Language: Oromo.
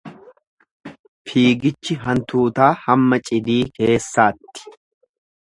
Fiigichi hantuutaa hamma cidii keessaatti.